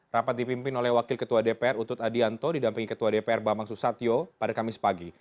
rapat dipimpin oleh wakil ketua dpr utut adianto didampingi ketua dpr bambang susatyo pada kamis pagi